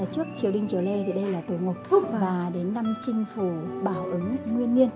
trước triều đinh triều lê thì đây là từ ngọc phúc và đến năm chinh phủ bảo ấn nguyên niên